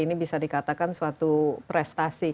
ini bisa dikatakan suatu prestasi